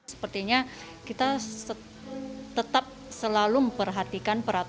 sepertinya kita tetap selalu memperhatikan perhatian